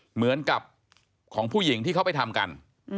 เหมือนกับของผู้หญิงที่เขาไปทำกัน